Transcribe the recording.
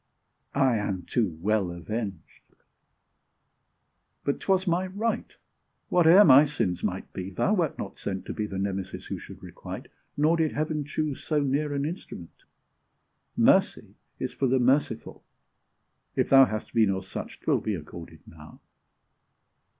I am too well avenged! but 'twas my right; Whate'er my sins might be, thou wert not sent To be the Nemesis who should requite Nor did Heaven choose so near an instrument. Mercy is for the merciful! if thou Hast been of such, 'twill be accorded now.